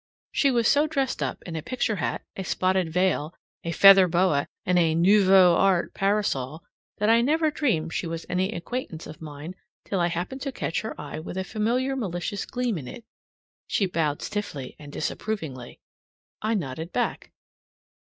She was so dressed up in a picture hat, a spotted veil, a feather boa, and a NOUVEAU ART parasol that I never dreamed she was any acquaintance of mine till I happened to catch her eye with a familiar malicious gleam in it. She bowed stiffly, and disapprovingly; and I nodded back.